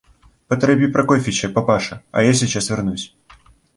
Поторопи Прокофьича, папаша, а я сейчас вернусь.